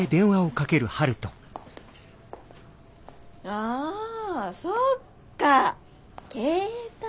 ああそっか携帯。